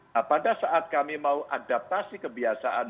nah pada saat kami mau adaptasi kebiasaan